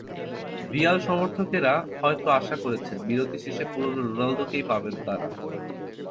Real সমর্থকেরা হয়তো আশা করছেন, বিরতি শেষে পুরোনো রোনালদোকেই পাবেন তাঁরা।